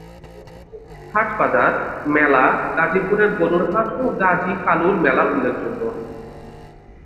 হাটবাজার, মেলা গাজিপুরের গরুর হাট ও গাজী কালুর মেলা উল্লেখযোগ্য।